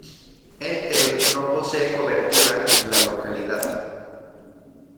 Entel no posee cobertura en la localidad.